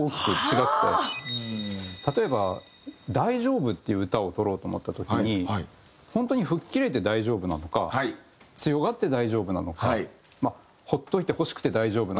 例えば「大丈夫」っていう歌を録ろうと思った時に本当に吹っ切れて大丈夫なのか強がって大丈夫なのか放っておいてほしくて大丈夫なのか。